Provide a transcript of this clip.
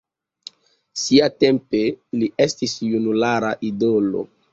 Siatempe li estis junulara idolo.